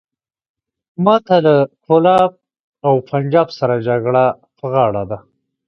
ماته له کولاب او پنجاب سره جګړه په غاړه ده.